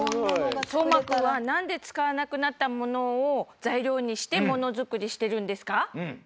そうまくんはなんでつかわなくなったものをざいりょうにしてものづくりしてるんですか？